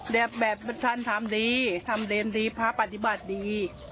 แบบบัติท่านทำดีพระปฏิบัติดี